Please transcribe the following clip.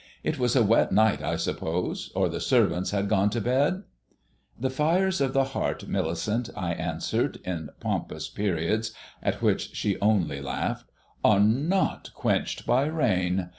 It was a wet night, I suppose; or the servants had gone to bed?" "The fires of the heart, Millicent," I answered, in pompous periods, at which she only laughed, "are not quenched by rain.